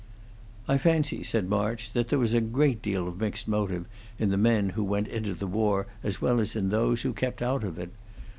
'" "I fancy," said March, "that there was a great deal of mixed motive in the men who went into the war as well as in those who kept out of it.